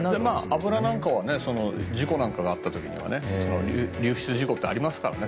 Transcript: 油なんかは事故なんかがあった時には流出事故ってありますからね。